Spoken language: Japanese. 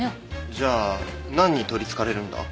じゃあ何にとり憑かれるんだ？